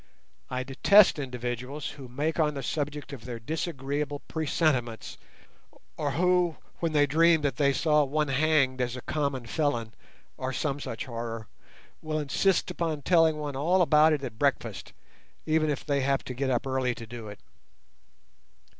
I detest individuals who make on the subject of their disagreeable presentiments, or who, when they dream that they saw one hanged as a common felon, or some such horror, will insist upon telling one all about it at breakfast, even if they have to get up early to do it.